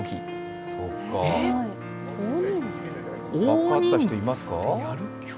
分かる人いますか？